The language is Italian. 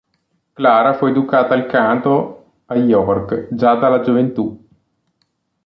Clara fu educata al canto a York, già dalla gioventù.